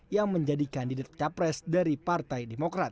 yang menjadi kandidat capres dari partai demokrat